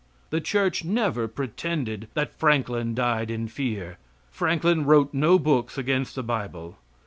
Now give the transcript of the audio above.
The church never pretended that Franklin died in fear. Franklin wrote no books against the bible.